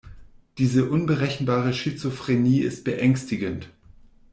Diese unberechenbare Schizophrenie ist beängstigend.